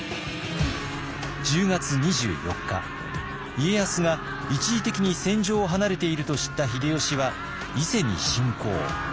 家康が一時的に戦場を離れていると知った秀吉は伊勢に侵攻。